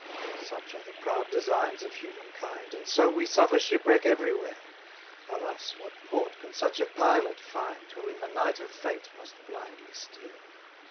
35 Such are the proud designs of human kind, And so we suffer shipwreck every where! Alas, what port can such a pilot find, Who in the night of fate must blindly steer!